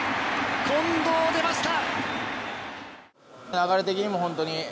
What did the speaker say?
近藤、出ました！